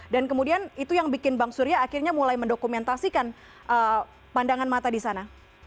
dan kemudian itu yang bikin bang surya akhirnya mulai mendokumentasikan pandangan mata di sana